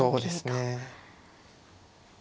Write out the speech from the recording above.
そうですね。